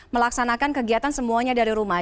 melaksanakan kegiatan semuanya dari rumah